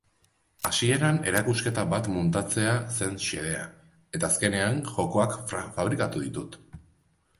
Hasieran erakusketa bat muntatzea zen xedea, eta azkenean jokoak fabrikatu ditut.